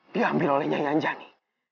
diambil oleh nyaya anjani